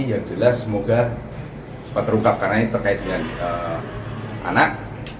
yang jelas semoga cepat terungkap karena ini terkait dengan anak